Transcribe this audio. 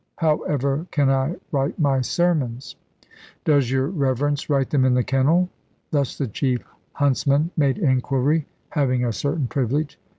However can I write my sermons?" "Does your Reverence write them in the kennel?" Thus the chief huntsman made inquiry, having a certain privilege.